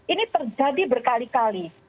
ini terjadi berkali kali